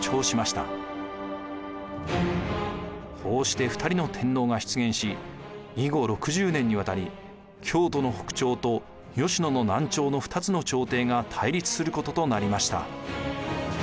こうして２人の天皇が出現し以後６０年にわたり京都の北朝と吉野の南朝の二つの朝廷が対立することとなりました。